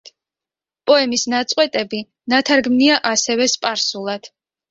პოემის ნაწყვეტები ნათარგმნია ასევე სპარსულად.